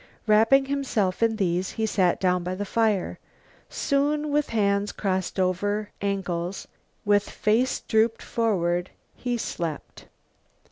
Wrapping himself in these, he sat down by the fire. Soon, with hands crossed over ankles, with face drooped forward, he slept.